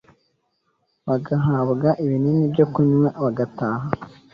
bagahabwa ibinini byo kunywa bagataha.